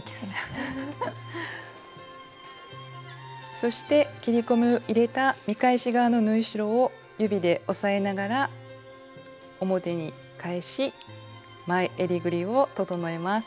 そして切り込みを入れた見返し側の縫い代を指で押さえながら表に返し前えりぐりを整えます。